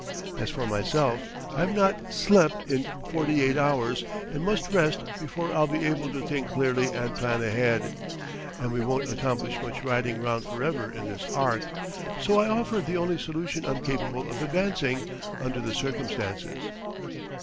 As for myself, I've not slept in forty eight hours and must rest before I'll be able to think clearly and plan ahead....And we won't accomplish much riding round forever in this ark. So I offer the only solution I'm capable of advancing, under the circumstances."